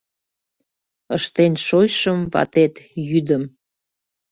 «Ыштен шочшым ватет йӱдым